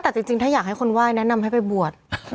แต่จริงถ้าอยากให้คนไหว้แนะนำให้ไปบวช